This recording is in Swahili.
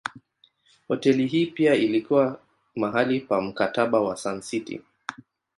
Hoteli hii pia ilikuwa mahali pa Mkataba wa Sun City.